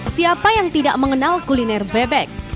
siapa yang tidak mengenal kuliner bebek